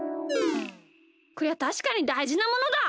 こりゃたしかにだいじなものだ！